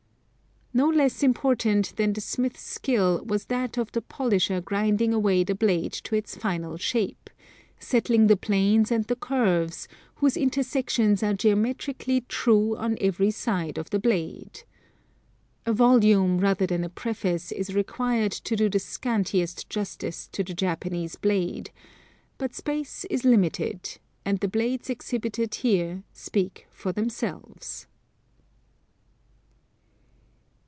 No less important than the smith's skill was that of the polisher grinding away the blade to its final shape, settling the planes and the curves, whose intersections are geometrically true on every side of the blade. A volume rather than a preface is required to do the scantiest justice to the Japanese blade, but space is limited, and the blades exhibited here speak for themselves.